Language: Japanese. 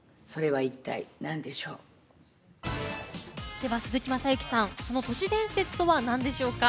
では、鈴木雅之さんその都市伝説とは何でしょうか？